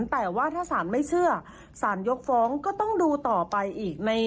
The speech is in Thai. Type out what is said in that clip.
แต่ว่าถ้าสารไม่เชื่อสารยกฟ้องก็ต้องดูต่อไปอีก